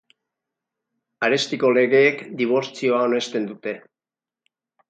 Arestiko legeek dibortzioa onesten dute.